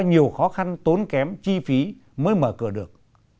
nhiều khó khăn tốn kém chi phí mới mở cửa được